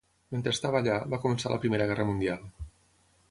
Mentre estava allà, va començar la Primera Guerra Mundial.